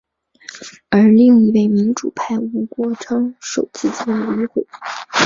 而另一位民主派吴国昌首次进入议会。